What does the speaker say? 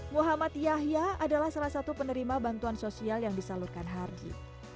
muhammad yahya adalah salah satu penerima bantuan sosial yang disalurkan hardy